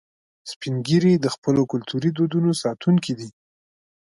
سپین ږیری د خپلو کلتوري دودونو ساتونکي دي